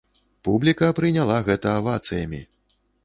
Публіка прыняла гэта авацыямі!